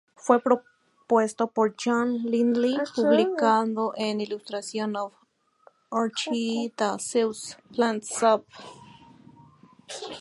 Fue propuesto por John Lindley, publicado en "Illustrations of Orchidaceous Plants sub pl.